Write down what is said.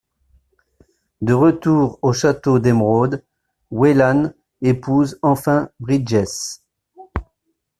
De retour au château d'Emeraude, Wellan épouse enfin Bridgess.